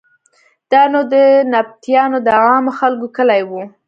دا نو د نبطیانو د عامو خلکو کلی و.